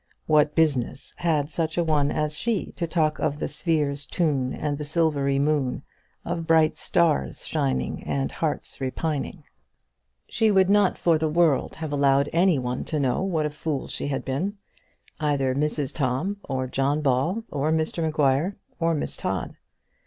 What business had such a one as she to talk of the sphere's tune and the silvery moon, of bright stars shining and hearts repining? She would not for worlds have allowed any one to know what a fool she had been either Mrs Tom, or John Ball, or Mr Maguire, or Miss Todd.